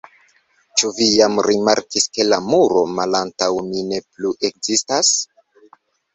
Ĉu vi jam rimarkis ke la muro malantaŭ mi ne plu ekzistas?